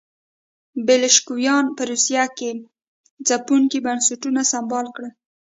بلشویکانو په روسیه کې ځپونکي بنسټونه سمبال کړل.